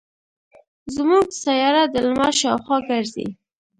زمونږ سیاره د لمر شاوخوا ګرځي.